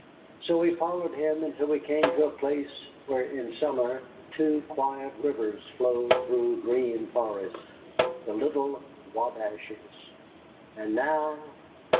So we followed him until we came to a place where, in summer, two quiet rivers flowed through green forests the little Wabashes. And now!